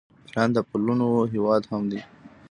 ایران د پلونو هیواد هم دی.